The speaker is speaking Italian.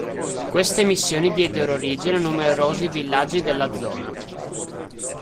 Queste missioni diedero origine a numerosi villaggi della zona.